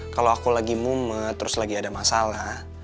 kalau aku lagi mumet terus lagi ada masalah